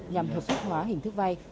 nhằm hợp thức hóa hình thức vay